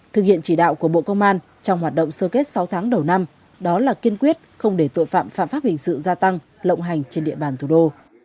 thực hiện chỉ đạo của bộ công an trong hoạt động sơ kết sáu tháng đầu năm đó là kiên quyết không để tội phạm phạm pháp hình sự gia tăng lộng hành trên địa bàn thủ đô